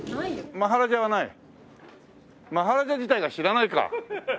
マハラジャ自体が知らないか。